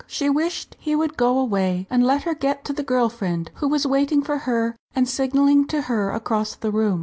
She wished he would go away and let her get to the girl friend who was waiting for her and signalling to her across the room.